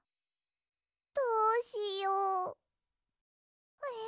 どうしよう。